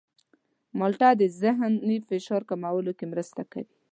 مالټه د ذهني فشار کمولو کې مرسته کوي.